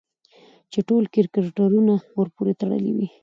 چې ټول کرکټرونه ورپورې تړلي وي